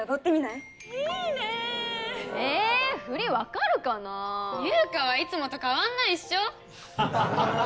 いいねえ振り分かるかな優佳はいつもと変わんないっしょハハハ